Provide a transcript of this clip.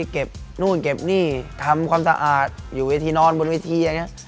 นู่นเก็บนี่ทำความสะอาดอยู่เวทีนอนบนเวทีอย่างนี้